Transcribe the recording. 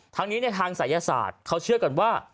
ทางนี้ในทางศัยศาสตร์เขาเชื่อกันว่า